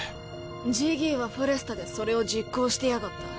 ジギーはフォレスタでそれを実行してやがった。